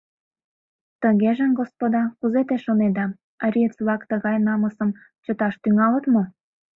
Тыгеже, господа, кузе те шонеда, ариец-влак тыгай намысым чыташ тӱҥалыт мо?